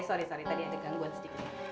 sorry sorry tadi ada gangguan sedikit